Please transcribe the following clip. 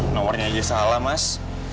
nomornya aja salah mas